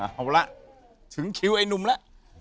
อ้อโหมากมากถึงคิวพี่หนุ่มละ